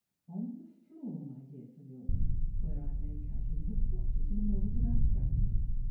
" On the floor, my dear Philura, where I may casually have dropped it in a moment of abstrac tion.